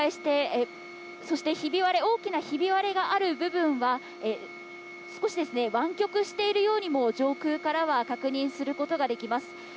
そして大きなひび割れがある部分は少しわん曲しているようにも上空からは確認することができます。